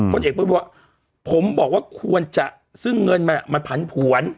คนเอกประวิทย์บอกว่าผมบอกว่าควรจะซึ่งเงินมันผันผวน